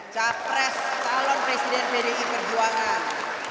capres salon presiden bdi perjuangan